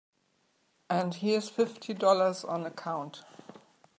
And here's fifty dollars on account.